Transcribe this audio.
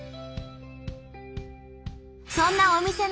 そんなお店の